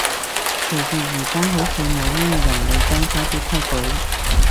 其實而家好似冇咩人理當初啲規矩